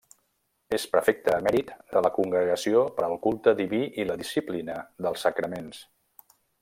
És prefecte emèrit de la Congregació per al Culte Diví i la Disciplina dels Sagraments.